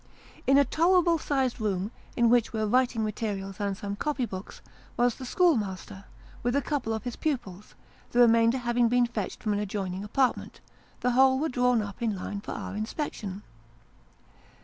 In a tolerable sized room, in which were writing materials and some copy books, was the schoolmaster, with a couple of his pupils ; the remainder having been fetched from an adjoining apartment, the whole were drawn up in line for our inspection.